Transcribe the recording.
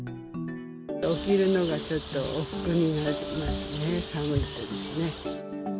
起きるのがちょっとおっくうになりますね、寒いとですね。